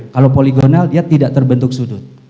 kalau poligonal dia tidak terbentuk sudut